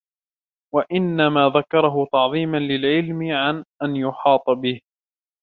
وَإِنَّمَا ذَكَرَهُ تَعْظِيمًا لِلْعِلْمِ عَنْ أَنْ يُحَاطَ بِهِ